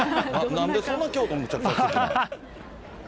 なんでそんな京都、むちゃくちゃ好きなん？